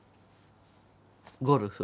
ゴルフ。